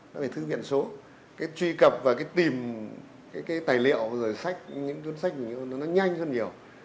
nó phải thư viện số cái truy cập và cái tìm cái tài liệu rồi sách những cuốn sách nó nhanh hơn nhiều